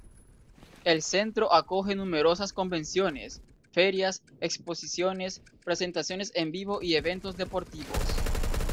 El centro acoge numerosas convenciones, ferias, exposiciones, presentaciones en vivo y eventos deportivos.